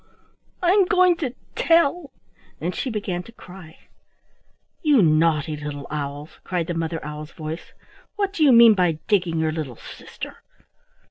I'm going to tell," and she began to cry. "You naughty little owls," cried the Mother Owl's voice, "what do you mean by digging your little sister?"